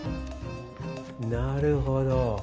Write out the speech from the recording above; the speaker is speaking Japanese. なるほど。